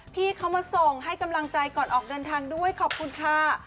พี่เขามาส่งให้กำลังใจก่อนออกเดินทางด้วยขอบคุณค่ะ